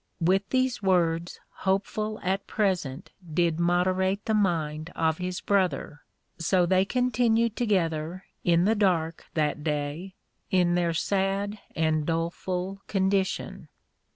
With these words Hopeful at present did moderate the mind of his Brother; so they continued together (in the dark) that day, in their sad and doleful condition.